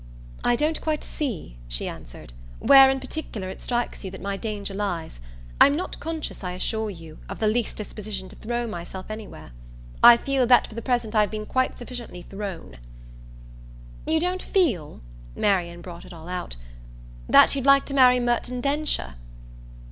"I don't quite see," she answered, "where in particular it strikes you that my danger lies. I'm not conscious, I assure you, of the least disposition to 'throw' myself anywhere. I feel that for the present I've been quite sufficiently thrown." "You don't feel" Marian brought it all out "that you'd like to marry Merton Densher?"